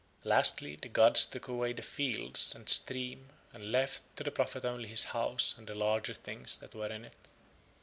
Lastly, the gods took away the fields and stream and left to the prophet only his house and the larger things that were in it.